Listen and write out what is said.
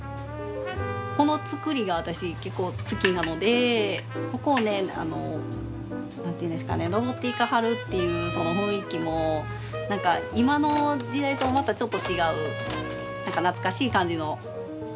この作りが私結構好きなのでここをね何て言うんですかね上っていかはるっていうその雰囲気も何か今の時代とまたちょっと違う何か懐かしい感じの。